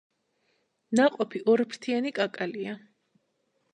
ნაყოფი ორფრთიანი კაკალია.